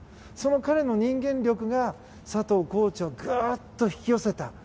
その彼の人間力が佐藤コーチをぐっと引き寄せた。